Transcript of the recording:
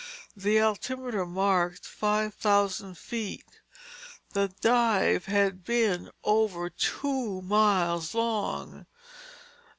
The altimeter marked five thousand feet. The dive had been over two miles long.